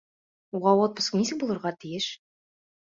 Уға отпуск нисек булырға тейеш?